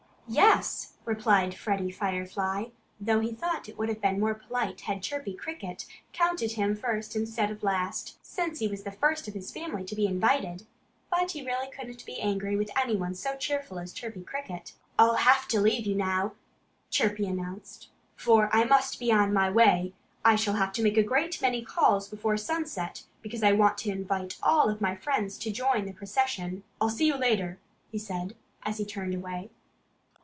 "Yes," replied Freddie Firefly, though he thought it would have been more polite had Chirpy Cricket counted him first instead of last, since he was the first of his family to be invited. But he really couldn't be angry with anyone so cheerful as Chirpy Cricket. "I'll have to leave you now," Chirpy announced, "for I must be on my way. I shall have to make a great many calls before sunset, because I want to invite all my friends to join the procession. ... I'll see you later," he said, as he turned away.